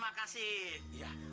kan kok ga diterima